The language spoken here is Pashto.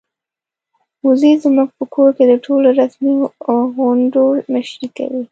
وزې زموږ په کور کې د ټولو رسمي غونډو مشري کوي.